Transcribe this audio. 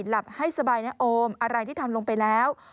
หลับให้สบายนะโอมอะไรที่ทำลงไปแล้ว